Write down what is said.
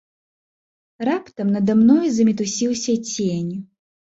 Раптам нада мною замітусіўся цень.